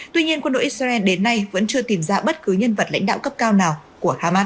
tuy nhiên quân đội israel đến nay vẫn chưa tìm ra bất cứ nhân vật lãnh đạo cấp cao nào của hamas